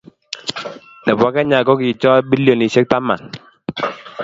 Nebo Kenya kokichor bilionisiekab taman